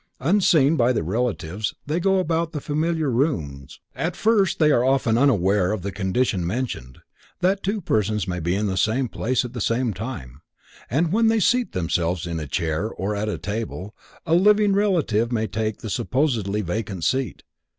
Unseen by their relatives they go about the familiar rooms. At first they are often unaware of the condition mentioned: "that two persons may be in the same place at the same time," and when they seat themselves in a chair or at the table, a living relative may take the supposedly vacant seat.